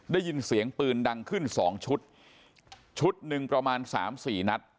ได้ยินเสียงปืนดังขึ้นสองชุดชุดหนึ่งประมาณสามสี่นัด